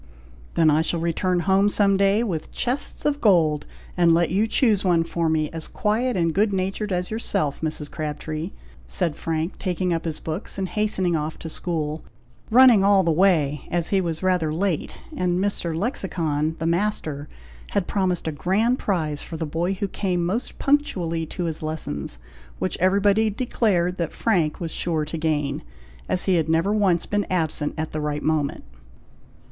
"Then I shall return home some day with chests of gold, and let you choose one for me, as quiet and good natured as yourself, Mrs. Crabtree," said Frank, taking up his books and hastening off to school, running all the way, as he was rather late, and Mr. Lexicon, the master, had promised a grand prize for the boy who came most punctually to his lessons, which everybody declared that Frank was sure to gain, as he had never once been absent at the right moment.